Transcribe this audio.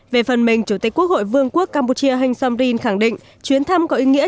về phần mình chủ tịch quốc hội vương quốc campuchia hành song rin khẳng định chuyến thăm có ý nghĩa